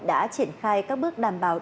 đã triển khai các bước đảm bảo